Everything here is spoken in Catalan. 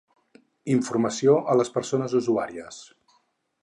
Informació a les persones usuàries.